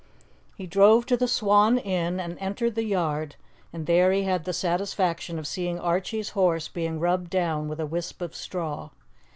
He drove to the Swan inn and entered the yard, and there he had the satisfaction of seeing Archie's horse being rubbed down with a wisp of straw.